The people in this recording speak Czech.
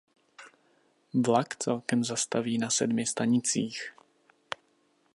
Vlak celkem zastaví na sedmi stanicích.